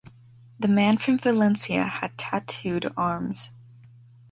The man from Valencia had tattooed arms.